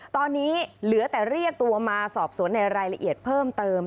ตอนนี้เหลือแต่เรียกตัวมาสอบสวนในรายละเอียดเพิ่มเติม